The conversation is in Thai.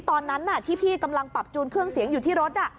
ตอนนั้นที่พี่กำลังปรับจูนเครื่องเสียงอยู่ที่รถ